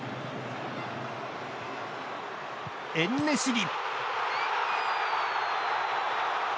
エンネシリ。